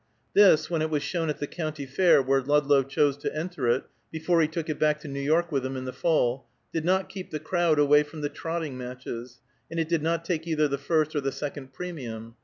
This, when it was shown at the County Fair, where Ludlow chose to enter it, before he took it back to Now York with him in the fall, did not keep the crowd away from the trotting matches, and it did not take either the first or the second premium.